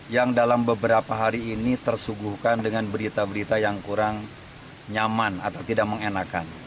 yang dalam beberapa hari ini tersuguhkan dengan berita berita yang kurang nyaman atau tidak mengenakan